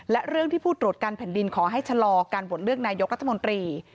และเรื่องที่ผู้ตรวจการแผ่นดินขอให้ชะลอการโหวตเลือกนายกรัฐมนตรี